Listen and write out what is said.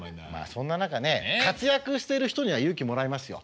そんな中ね活躍してる人には勇気もらいますよ。